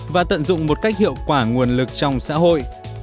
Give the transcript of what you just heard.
và tận dụng một cách hiệu quả nguồn lực trong xã hội